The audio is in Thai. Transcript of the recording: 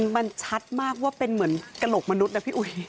มันชัดมากว่าเป็นเหมือนกระโหลกมนุษย์นะพี่อุ๋ย